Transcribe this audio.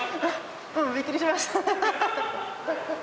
びっくりしました？